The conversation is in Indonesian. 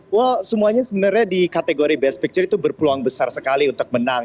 wow semuanya sebenarnya di kategori best picture itu berpeluang besar sekali untuk menang